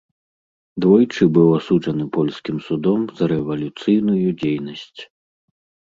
Двойчы быў асуджаны польскім судом за рэвалюцыйную дзейнасць.